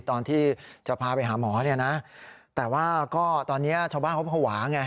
ตอนที่จะพาไปหาหมอเนี่ยนะแต่ว่าก็ตอนนี้ชาวบ้านเขาภาวะไง